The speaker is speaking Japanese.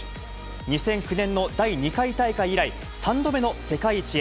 ２００９年の第２回大会以来、３度目の世界一へ。